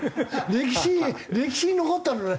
歴史歴史に残ったのにね。